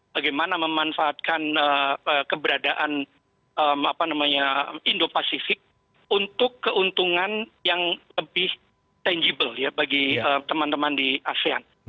bagaimana memanfaatkan keberadaan indo pasifik untuk keuntungan yang lebih tangible bagi teman teman di asean